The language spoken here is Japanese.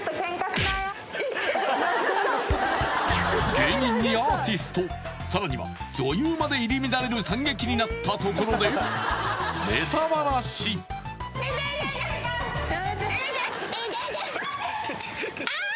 芸人にアーティストさらには女優まで入り乱れる惨劇になったところでヤダ！